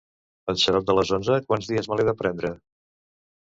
El xarop de les onze quants dies me l'he de prendre?